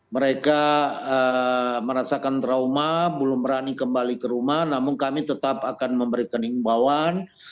mereka merasakan trauma belum berani kembali ke rumah namun kami tetap akan memberikan imbauan